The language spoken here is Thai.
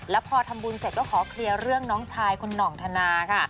แล้วพอทำบุญเสร็จก็ขอเคลียร์เรื่องน้องชายคุณหน่องธนาค่ะ